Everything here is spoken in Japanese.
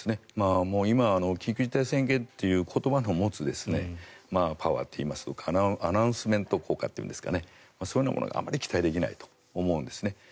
今は緊急事態宣言という言葉の持つパワーといいますかアナウンスメント効果といいますかそういうのもあまり期待できないと思うんですね。